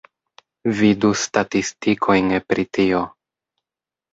Vidu statistikojn pri tio.